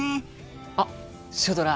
あっシュドラ